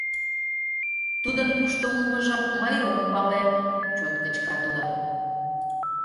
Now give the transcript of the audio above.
— Тудын кушто улмыжым мый ом пале! — чот кычкыра тудо.